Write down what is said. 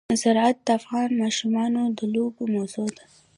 زراعت د افغان ماشومانو د لوبو موضوع ده.